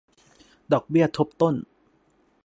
ดอกเบี้ยทบต้น